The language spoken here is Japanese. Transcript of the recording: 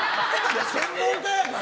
専門家やから。